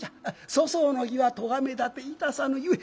粗相の儀は咎め立ていたさぬゆえ